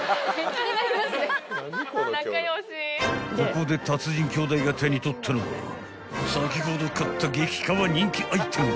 ［ここで達人兄弟が手に取ったのは先ほど買った激カワ人気アイテム］